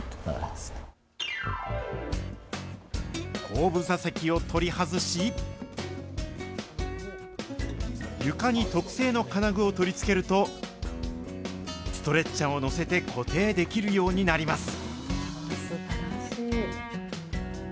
後部座席を取り外し、床に特製の金具を取り付けると、ストレッチャーを乗せて固定できるようになります。